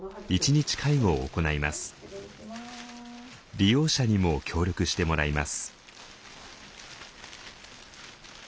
利用者にも協力してもらいます。